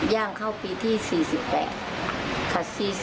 ย่างเข้าปีที่๔๘ค่ะ